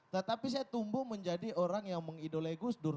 tetapi saya tumbuh menjadi orang yang mengidole gus dur